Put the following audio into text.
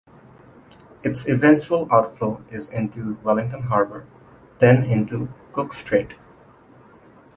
Its eventual outflow is into Wellington Harbour, then into Cook Strait.